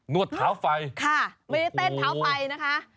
วดเท้าไฟค่ะไม่ได้เต้นเท้าไฟนะคะ